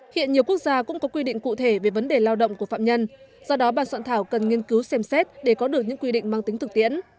hiện nhiều quốc gia cũng có quy định cụ thể về vấn đề lao động của phạm nhân do đó bàn soạn thảo cần nghiên cứu xem xét để có được những quy định mang tính thực tiễn